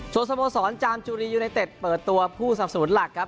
ส่วนสโมสรจามจุรียูไนเต็ดเปิดตัวผู้สับสนุนหลักครับ